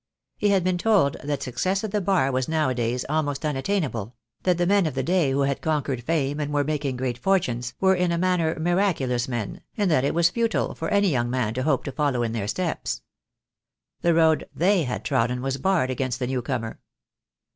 He had been told that success at the Bar was now a days almost unattainable; that the men of the day who had conquered fame and were making great fortunes, were in a manner miraculous men, and that it was futile for any young man to hope to follow in their steps. The road they had trodden was barred against the new comer.